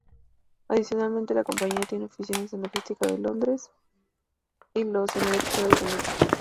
Adicionalmente, la compañía tiene oficinas de logística en Londres y los Emiratos Árabes Unidos.